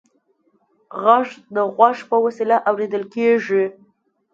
غږ د غوږ په وسیله اورېدل کېږي.